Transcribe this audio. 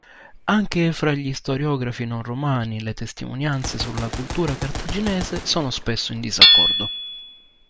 Anche fra gli storiografi non-romani le testimonianze sulla cultura cartaginese sono spesso in disaccordo.